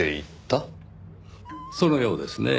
そのようですねぇ。